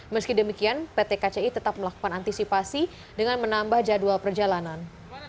meski demikian pt kci tetap melakukan antisipasi dengan menambah jadwal perjalanan